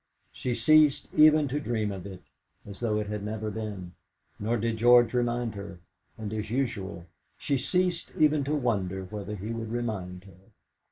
She ceased even to dream of it, as though it had never been, nor did George remind her, and as usual, she ceased even to wonder whether he would remind her.